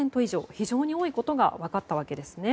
非常に多いことが分かったわけですね。